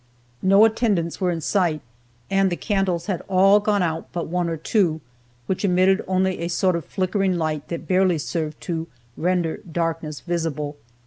No attendants were in sight, and the candles had all gone out but one or two, which emitted only a sort of flickering light that barely served to "render darkness visible."